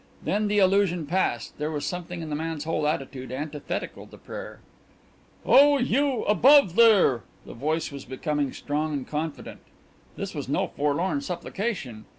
Then the illusion passed there was something in the man's whole attitude antithetical to prayer. "Oh, you above there!" The voice was become strong and confident. This was no forlorn supplication.